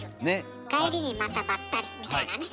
帰りにまたバッタリ！みたいなね。